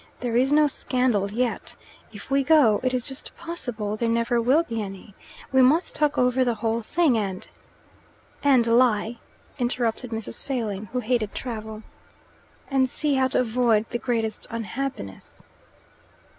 There is no scandal yet. If we go, it is just possible there never will be any. We must talk over the whole thing and "" And lie!" interrupted Mrs. Failing, who hated travel. " And see how to avoid the greatest unhappiness."